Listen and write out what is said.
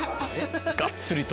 がっつりと。